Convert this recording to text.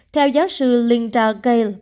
theo giáo sư linda gale